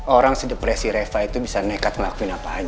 orang sedepresi reva itu bisa nekat ngelakuin apa aja